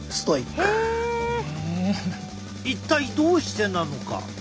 一体どうしてなのか。